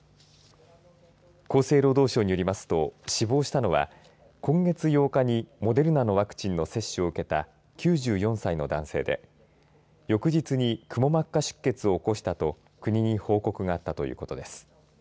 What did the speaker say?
厚生労働省によりますと死亡したのは今月８日にモデルナのワクチンの接種を受けた９４歳の男性で翌日にくも膜下出血を起こしたと国に報告があったということです。